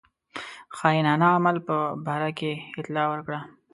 خاینانه عمل په باره کې اطلاع ورکړه.